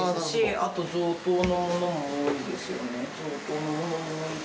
あと贈答のものも多いですよね。